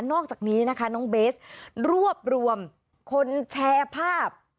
อกจากนี้นะคะน้องเบสรวบรวมคนแชร์ภาพ